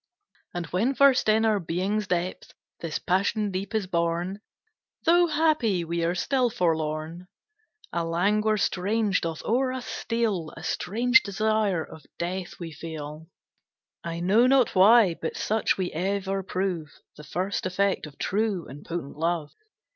And when first in our being's depth This passion deep is born, Though happy, we are still forlorn; A languor strange doth o'er us steal; A strange desire of death we feel. I know not why, but such we ever prove The first effect of true and potent love.